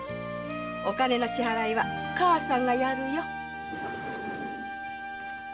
お金の支払いは母さんがやるよ。